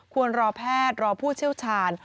ควรรอแพทย์รอผู้เชี่ยวชาญ